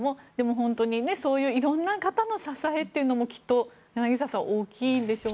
本当に色んな方の支えというのもきっと柳澤さん大きいんでしょうね。